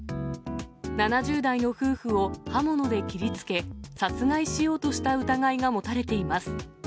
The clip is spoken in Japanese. ７０代の夫婦を刃物で切りつけ、殺害しようとした疑いが持たれています。